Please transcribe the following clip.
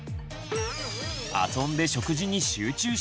遊んで食事に集中しない！